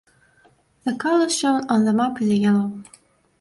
The color shown on the map is yellow.